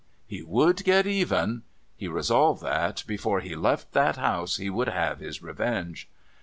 He would get even; he resolved that before he left that house he would have his revenge.